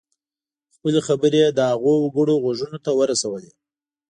خپلې خبرې یې د هغو وګړو غوږونو ته ورسولې.